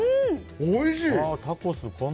おいしい。